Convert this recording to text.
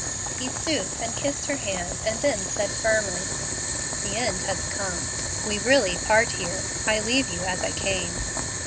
He stooped and kissed her hand, and then said, firmly, "The end has come. We really part here. I leave you as I came."